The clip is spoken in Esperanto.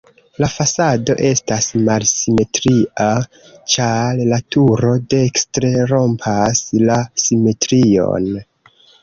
La fasado estas malsimetria, ĉar la turo dekstre rompas la simetrion.